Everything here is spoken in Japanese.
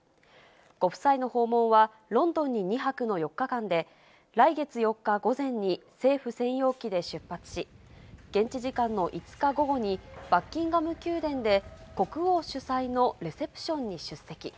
ご夫妻の訪問は、ロンドンに２泊の４日間で、来月４日午前に政府専用機で出発し、現地時間の５日午後に、バッキンガム宮殿で国王主催のレセプションに出席。